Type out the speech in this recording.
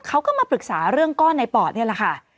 เขาก็มาปรึกษาเรื่องก้อนในปอดนี่แหละค่ะ